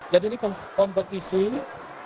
jadi ini kompetisi ini